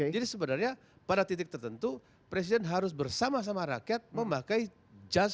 jadi sebenarnya pada titik tertentu presiden harus bersama sama rakyat memakai jas